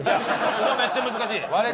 ここめっちゃ難しい！